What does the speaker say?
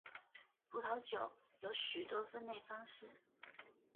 葡萄酒有许多分类方式。